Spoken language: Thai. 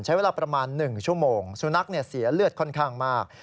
ใช้เวลาประมาณ๑ชั่วโมงสุนัขเสียเลือดค่อนข้างมาก